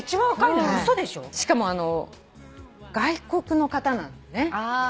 しかも外国の方なのね。